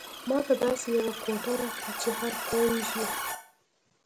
ماته داسې یوه کوټه راکړئ چې هر کونج یې.